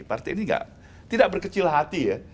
partai ini tidak berkecil hati ya